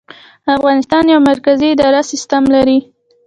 افغانستان یو مرکزي اداري سیستم لري